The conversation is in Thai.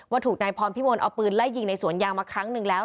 ถูกนายพรพิมลเอาปืนไล่ยิงในสวนยางมาครั้งหนึ่งแล้ว